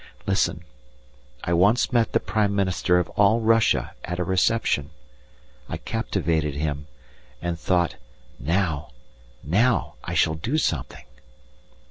Listen! I once met the Prime Minister of all Russia at a reception. I captivated him, and thought, now! now! I shall do something.